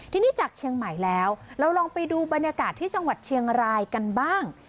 ทีนี้จากเชียงใหม่แล้วเราลองไปดูบรรยากาศที่จังหวัดเชียงรายกันบ้าง